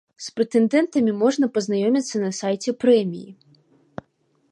З прэтэндэнтамі можна пазнаёміцца на сайце прэміі.